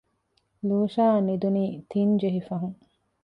ލޫޝާއަށް ނިދުނީ ތިން ޖެހިފަހުން